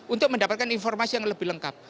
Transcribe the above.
untuk mendapatkan informasi yang lebih lengkap